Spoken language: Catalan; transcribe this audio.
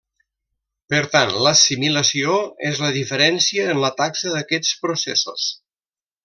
Per tant, l'assimilació és la diferència en la taxa d'aquests processos.